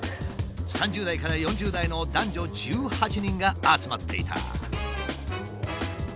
３０代から４０代の男女１８人が集まっていた。